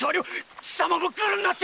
貴様もグルになって！